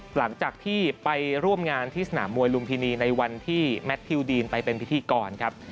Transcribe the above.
หลังจากที่ไปร่วมงานที่สนามมวยลุมพินีในวันที่แมททิวดีนไปเป็นพิธีกรครับ